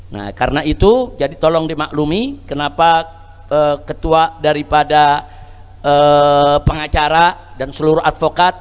nah karena itu jadi tolong dimaklumi kenapa ketua daripada pengacara dan seluruh advokat